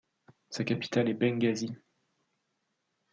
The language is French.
Sa capitale est Benghazi.